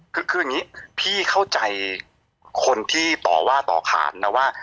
คืออย่างนี้พี่เข้าใจคนที่ต่อว่าต่อขานนะว่า